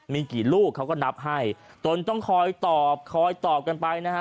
มีกี่ลูกเขาก็นับให้ตนต้องคอยตอบคอยตอบกันไปนะฮะ